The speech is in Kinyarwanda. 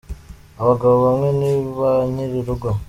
Abagabo bamwe ni ba nyiri urugo.